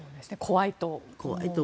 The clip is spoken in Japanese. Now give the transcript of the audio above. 怖いと。